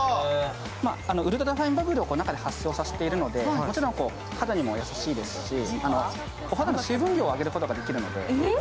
ウルトラファインバブルを中で発生させているので、もちろん肌にも優しいですし、お肌の水分量を上げることができるので。